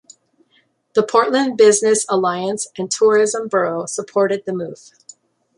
The Portland Business Alliance and tourism bureau supported the move.